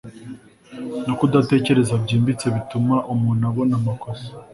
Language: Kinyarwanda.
no kudatekereza byimbitse bituma umuntu abona amakosa